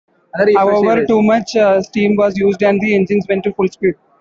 However, too much steam was used and the engines went to full speed.